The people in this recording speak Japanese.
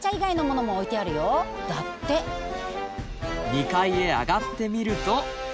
２階へ上がってみると。